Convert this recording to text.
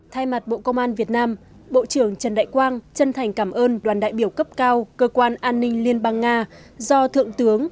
thay mặt bộ công an việt nam bộ trưởng trần đại quang chân thành cảm ơn đoàn đại biểu cấp cao cơ quan an ninh liên bang nga do thượng tướng